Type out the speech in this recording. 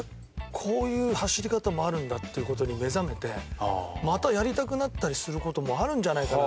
こういう走り方もあるんだっていう事に目覚めてまたやりたくなったりする事もあるんじゃないかなって。